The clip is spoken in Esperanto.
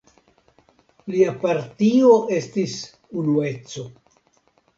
Lia partio estis Unueco.